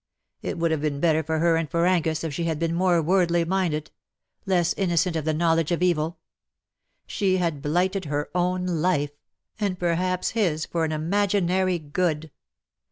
It would have been better for her and for Angus if she had been more worldly minded — less innocent of the knowledge of evil. She had blighted her own life, and perhaps his, for an imaginary good.